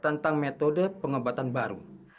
tentang metode pengobatan baru